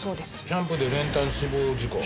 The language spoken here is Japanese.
「キャンプで練炭死亡事故」。